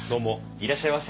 いらっしゃいませ。